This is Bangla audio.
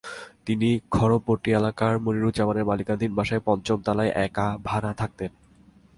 তিনি খড়মপট্টি এলাকায় মনিরুজ্জামানের মালিকানাধীন বাসার পঞ্চম তলায় একা ভাড়া থাকতেন।